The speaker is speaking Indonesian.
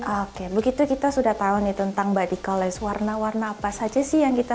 oke begitu kita sudah tahu nih tentang body coles warna warna apa saja sih yang kita